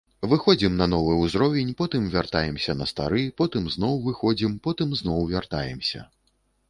Выходзім на новы ўзровень, потым вяртаемся на стары, потым зноў выходзім, потым зноў вяртаемся.